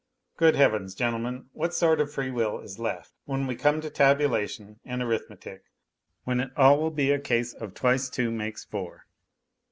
Good Heavens, gentlemen, what sort of free will is left when 74 NOTES FROM UNDERGROUND we come to tabulation and arithmetic, when it will all be a case of twice two make four.